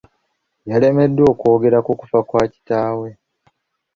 Yalemereddwa okwogera ku kufa kwa kitaawe.